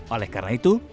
oleh karena itu